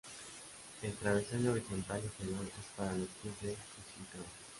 El travesaño horizontal inferior es para los pies del Crucificado.